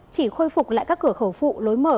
chỉ khôi phục lại các cửa khẩu phụ lối mở